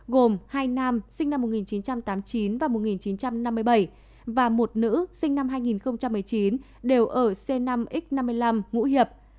gồm hai nam sinh năm một nghìn chín trăm tám mươi chín và một nghìn chín trăm năm mươi bảy và một nữ sinh năm hai nghìn một mươi chín đều ở c năm x năm mươi năm ngũ hiệp